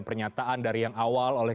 pernyataan dari yang awal oleh